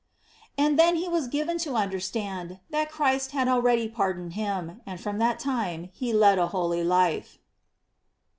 And then he was given to understand that Christ had already pardoned him, and from that time be led a holy life.